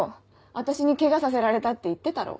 私にケガさせられたって言ってたろ。